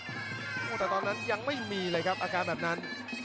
แต่ตอนนั้นยังไม่มีเลยครับอาการแบบนั้น